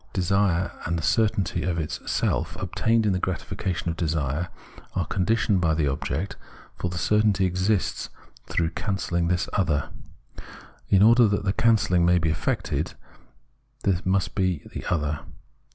Desire and the certainty of its self obtained in the gratification of desire, are conditioned by the object ; for the cer tainty exists through cancelHng this other ; in order that this cancelling may be effected, there must be this other.